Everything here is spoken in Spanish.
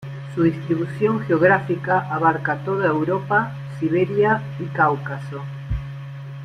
Su distribución geográfica abarca toda Europa, Siberia y Cáucaso.